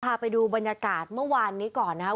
พาไปดูบรรยากาศเมื่อวานนี้ก่อนนะครับ